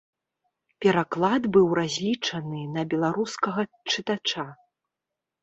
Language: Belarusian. Пераклад быў разлічаны на беларускага чытача.